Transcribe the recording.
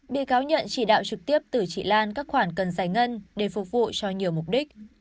bị cáo nhận chỉ đạo trực tiếp từ chị lan các khoản cần giải ngân để phục vụ cho nhiều mục đích